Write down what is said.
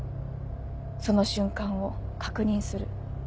その瞬間を確認する。